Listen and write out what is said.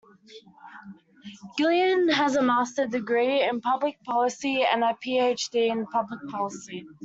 Gillon has a master's degree in Public Policy and a PhD in Public Policy.